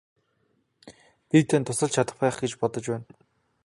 Би танд тусалж чадах байх гэж бодож байна.